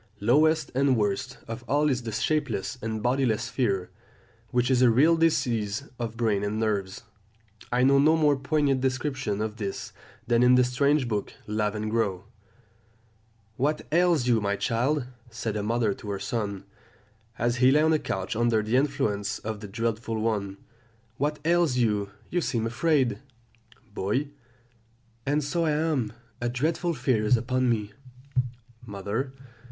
Lowest and worst of all is the shapeless and bodiless fear, which is a real disease of brain and nerves. I know no more poignant description of this than in the strange book Lavengro: "'What ails you, my child,' said a mother to her son, as he lay on a couch under the influence of the dreadful one; 'what ails you? you seem afraid!' "Boy. And so I am; a dreadful fear is upon me. "Mother.